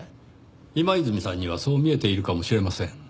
今泉さんにはそう見えているかもしれません。